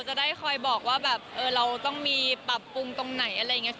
จะได้คอยบอกว่าแบบเราต้องมีปรับปรุงตรงไหนอะไรอย่างนี้